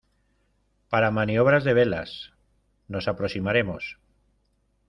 para maniobra de velas. nos aproximaremos